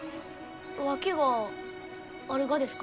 訳があるがですか？